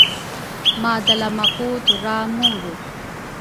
madalama ku turamuru